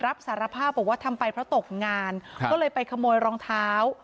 รับสารภาพบอกว่าทำไปเพราะตกงานก็เลยไปขโมยรองเท้า